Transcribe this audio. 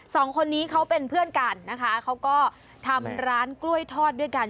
สองคนนี้เขาเป็นเพื่อนกันนะคะเขาก็ทำร้านกล้วยทอดด้วยกัน